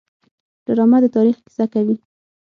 ډرامه د تاریخ کیسه کوي